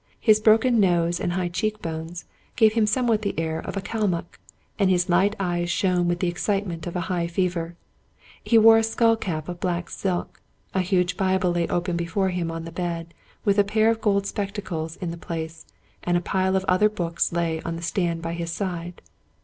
His broken nose and high cheek bones gave him somewhat the air of a Kalmuck, and his light eyes shone with the excitement of a high fever. He wore a skull cap of black silk ; a huge Bible lay open before him on the bed, with a pair of gold spectacles in the place, and a pile of other books lay on the stand by his side.